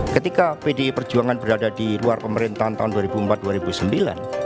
ketika pdi perjuangan berada di luar pemerintahan tahun dua ribu empat dua ribu sembilan